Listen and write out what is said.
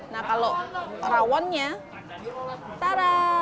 nah kalau rawonnya ada empalnya